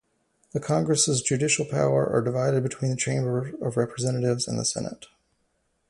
The Congress' judicial powers are divided between the Chamber of Representatives and the Senate.